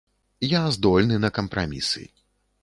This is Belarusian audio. Я здольны на кампрамісы.